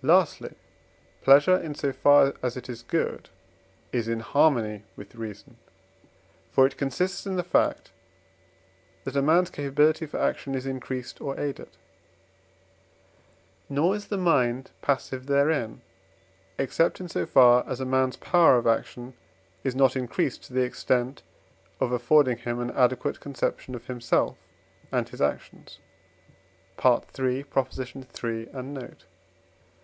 Lastly, pleasure, in so far as it is good, is in harmony with reason (for it consists in the fact that a man's capability for action is increased or aided); nor is the mind passive therein, except in so far as a man's power of action is not increased to the extent of affording him an adequate conception of himself and his actions (III. iii., and note).